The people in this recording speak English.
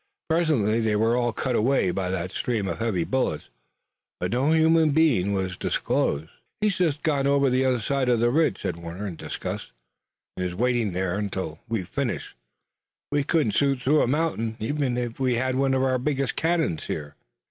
Presently they were all cut away by that stream of heavy bullets, but no human being was disclosed. "He's just gone over the other side of the ridge," said Warner in disgust, "and is waiting there until we finish. We couldn't shoot through a mountain, even if we had one of our biggest cannon here.